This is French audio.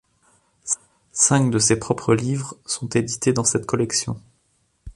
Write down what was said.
Cinq de ses propres livres sont édités dans cette collection.